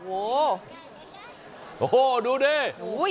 โอ้โหดูดิ